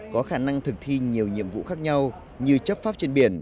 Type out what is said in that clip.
có khả năng thực thi nhiều nhiệm vụ khác nhau như chấp pháp trên biển